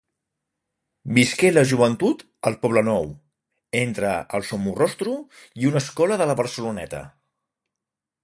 Visqué la joventut al Poblenou, entre el Somorrostro i una escola de la Barceloneta.